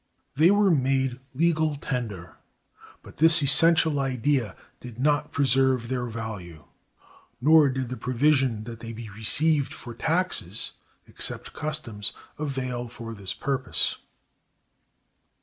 They were made legal tender, but this "essential idea" did not preserve their value; nor did the provision that they be received for taxes (except customs), avail for this purpose.